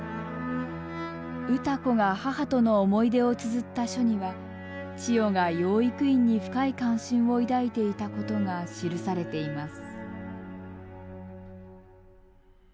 歌子が母との思い出をつづった書には千代が養育院に深い関心を抱いていたことが記されています。